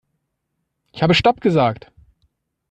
Ich habe stopp gesagt.